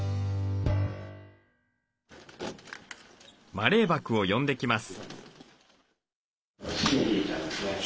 マレーバクを呼んできます。